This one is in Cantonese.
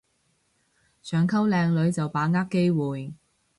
想溝靚女就把握機會